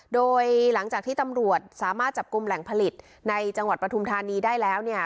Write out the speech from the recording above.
โดยหลังจากที่ตำรวจสามารถจับกลุ่มแหล่งผลิตในจังหวัดปฐุมธานีได้แล้วเนี่ย